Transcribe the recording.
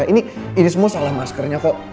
ini semua salah maskernya kok